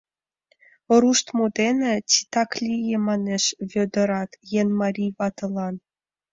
— Руштмо дене... титак лие... — манеш Вӧдырат «еҥ» марий ватылан.